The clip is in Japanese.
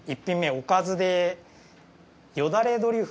１品目はおかずで。